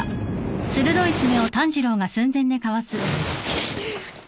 くっ！